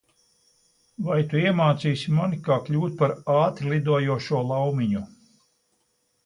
Vai tu iemācīsi mani, kā kļūt par ātrlidojošo laumiņu?